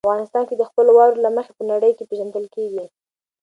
افغانستان د خپلو واورو له مخې په نړۍ کې پېژندل کېږي.